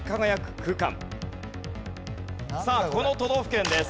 さあこの都道府県です。